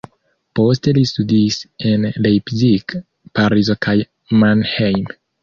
Poste li studis en Leipzig, Parizo kaj Mannheim.